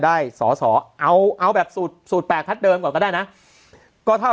ได้สอสอเอาเอาแบบสูตรสูตรแปดพักเดิมก่อนก็ได้นะก็เท่า